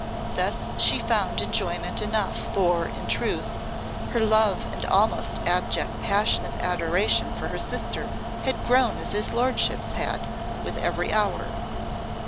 Thus she found enjoyment enough; for, in truth, her love and almost abject passion of adoration for her sister had grown as his lordship's had, with every hour.